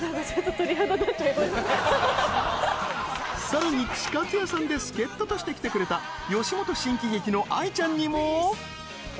［さらに串カツ屋さんで助っ人として来てくれた吉本新喜劇の藍ちゃんにも］